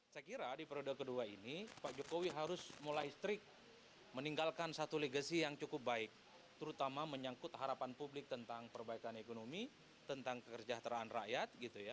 saya kira di periode kedua ini pak jokowi harus mulai strict meninggalkan satu legasi yang cukup baik terutama menyangkut harapan publik tentang perbaikan ekonomi tentang kesejahteraan rakyat